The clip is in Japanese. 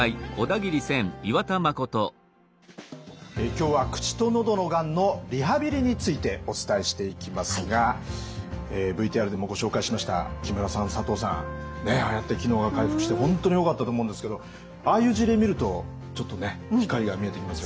今日は口と喉のがんのリハビリについてお伝えしていきますがＶＴＲでもご紹介しました木村さん佐藤さんああやって機能が回復して本当によかったと思うんですけどああいう事例見るとちょっとね光が見えてきますよね。